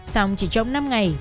xong chỉ trong năm ngày